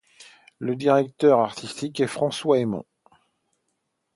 Le directeur artistique est François Émond.